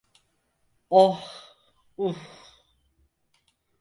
Oh, uh…